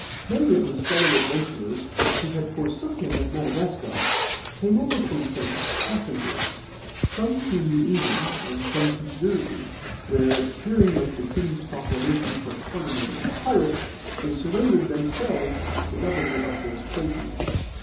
Many of his fellow adventurers who had forsook him at Madagascar, came over from thence passengers, some to New England, and some to Jersey, where, hearing of the king's proclamation for pardoning of pirates, they surrendered themselves to the governor of those places.